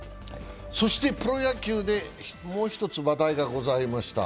そしてプロ野球で、もう一つ話題がございました。